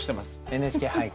「ＮＨＫ俳句」。